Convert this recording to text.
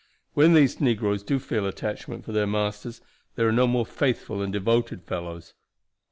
When these negroes do feel attachment for their masters there are no more faithful and devoted fellows.